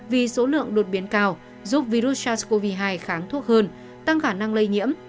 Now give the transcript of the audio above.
vì số lượng đột biến cao giúp virus sars cov hai kháng thuốc hơn tăng khả năng lây nhiễm